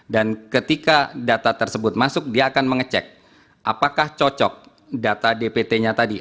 dan ketika data tersebut masuk dia akan mengecek apakah cocok data dpt nya tadi